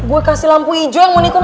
gue kasih lampu hijau yang mau nikun